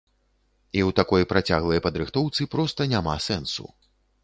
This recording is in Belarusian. І ў такой працяглай падрыхтоўцы проста няма сэнсу.